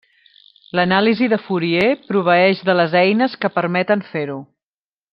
L'anàlisi de Fourier proveeix de les eines que permeten fer-ho.